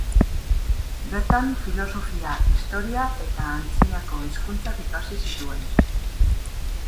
Bertan filosofia, historia eta antzinako hizkuntzak ikasi zituen.